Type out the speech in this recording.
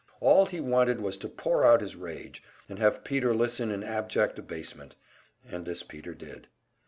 All he wanted was to pour out his rage, and have Peter listen in abject abasement, and this Peter did.